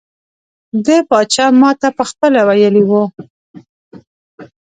د پاچا ماته پخپله ویلي وو.